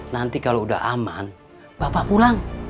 nanti kalau udah aman bapak pulang